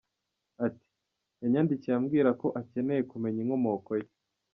Ati “Yanyandikiye ambwira ko akeneye kumenya inkomoko ye.